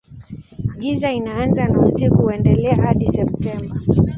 Giza inaanza na usiku huendelea hadi Septemba.